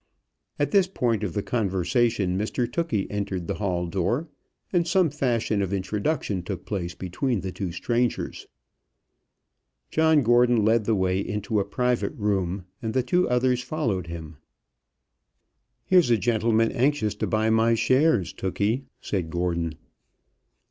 At this point of the conversation, Mr Tookey entered the hall door, and some fashion of introduction took place between the two strangers. John Gordon led the way into a private room, and the two others followed him. "Here's a gentleman anxious to buy my shares, Tookey," said Gordon.